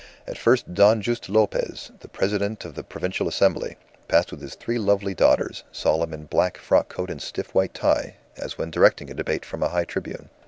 And first Don Juste Lopez, the President of the Provincial Assembly, passed with his three lovely daughters, solemn in a black frock coat and stiff white tie, as when directing a debate from a high tribune.